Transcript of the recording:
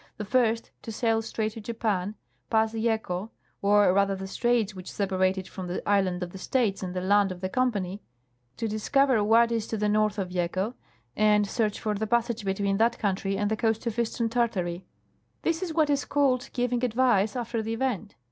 The first, to sail straight to Japan, pass Yeco, or rather the straits which separate it from the island of the States and the land of the Company, to discover what is to the north of Yeco and search for the passage between that country and the coast of eastern Tartary. This is what is called giving advice after the event.